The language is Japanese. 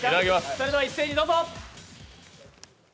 それでは一斉にどうぞ。